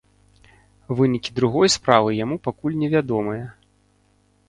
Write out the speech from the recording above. Вынікі другой справы яму пакуль невядомыя.